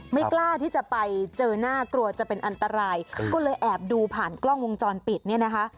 ไม่กล้าที่จะไปเจอหน้ากลัวจะเป็นอันตรายก็เลยแอบดูผ่านกล้องวงจรปิดเนี่ยนะคะ